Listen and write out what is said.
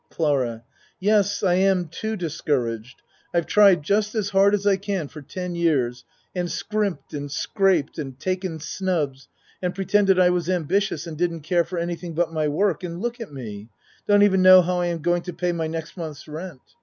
CLARA Yes, I am too discouraged. I've tried just as hard as I can for ten years and scrimped and scraped and taken snubs and pretended I was ambitious and didn't care for anything but my work, and look at me don't even know how I am going to pay my next month's rent.